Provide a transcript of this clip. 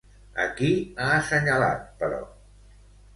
A qui ha assenyalat, però?